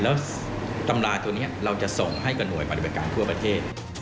แล้วตำราตัวนี้เราจะส่งให้กับหน่วยปฏิบัติการทั่วประเทศ